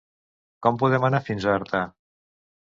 Com podem anar fins a Artà?